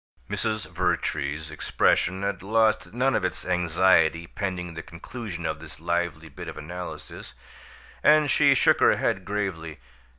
Mrs. Vertrees's expression had lost none of its anxiety pending the conclusion of this lively bit of analysis, and she shook her head gravely.